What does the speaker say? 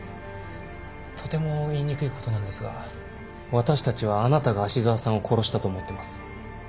とても言いにくいことなんですが私たちはあなたが芦沢さんを殺したと思ってます。